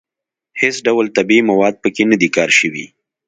هېڅ ډول طبیعي مواد په کې نه دي کار شوي.